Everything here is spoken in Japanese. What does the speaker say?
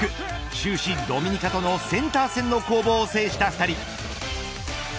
終始ドミニカとのセンター線の攻防を制した２人。